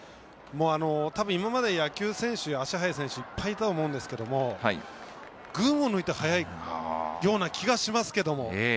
たぶん今までいい野球選手速い選手がいっぱいいたと思うんですが群を抜いて速いような気がしますけどね。